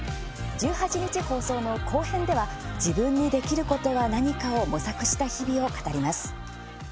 １８日の放送の後編では自分にできることは何かを模索した日々を語ります。